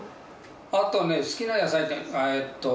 あとね好きな野菜えっと